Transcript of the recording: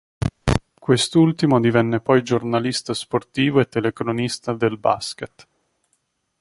Quest’ultimo divenne poi giornalista sportivo e telecronista del basket.